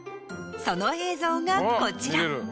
その映像がこちら。